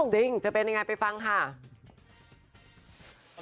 จริงจะเป็นยังไงไปฟังค่ะ